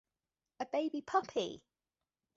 A baby puppy!